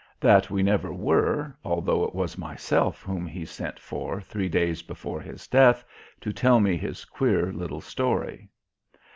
That we never were, although it was myself whom he sent for three days before his death to tell me his queer little story.